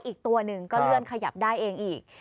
อีกตัวหนึ่งก็เลื่อนขยับได้เองอีก